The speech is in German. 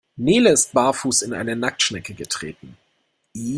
Nele ist barfuß in eine Nacktschnecke getreten.